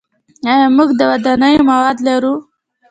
آیا موږ د ودانیو مواد لرو؟